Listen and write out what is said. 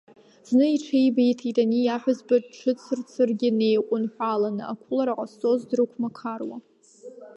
Зны иҽеибиҭеит ани иаҳәызба ҿыцырцыргьы неиҟәынҳәаланы ақәылара ҟазҵаз дрықәмақаруа.